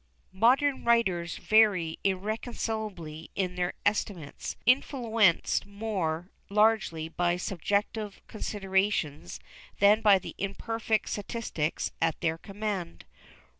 Modern writers vary irreconcileably in their estimates, influenced more largely by subjective considerations than by the imperfect statistics at their command.